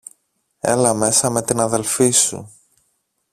Έλα μέσα με την αδελφή σου.